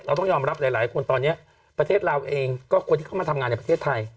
ต้องยอมรับหลายคนตอนนี้ประเทศลาวเองก็คนที่เข้ามาทำงานในประเทศไทย